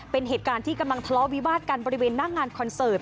เป็นเหตุการณ์ที่กำลังทะเลาะวิวาดกันบริเวณหน้างานคอนเสิร์ต